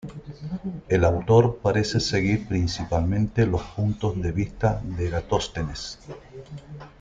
El autor parece seguir principalmente los puntos de vista de Eratóstenes.